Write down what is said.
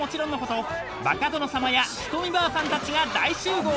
バカ殿様やひとみばあさんたちが大集合］